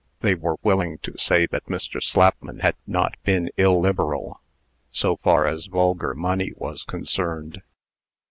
They were willing to say that Mr. Slapman had not been illiberal, so far as vulgar money was concerned.